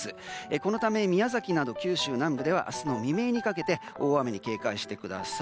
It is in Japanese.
このため、宮崎など九州南部では明日の未明にかけて大雨に警戒してください。